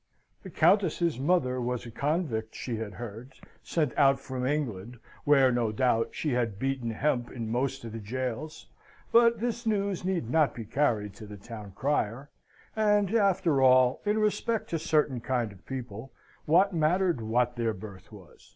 The Countess's mother was a convict, she had heard, sent out from England, where no doubt she had beaten hemp in most of the gaols; but this news need not be carried to the town crier; and, after all, in respect to certain kind of people, what mattered what their birth was?